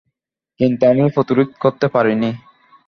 কিন্তু আমি প্রতিরোধ করতে পারিনি।